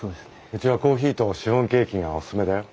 うちはコーヒーとシフォンケーキがオススメだよ。